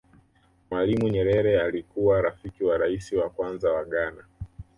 mwalimu nyerere alikuwa rafiki wa rais wa kwanza wa ghana